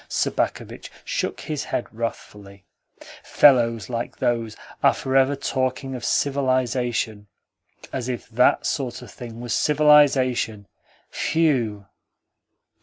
Sobakevitch shook his head wrathfully. "Fellows like those are for ever talking of civilisation. As if THAT sort of thing was civilisation! Phew!"